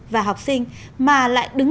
và học sinh mà lại đứng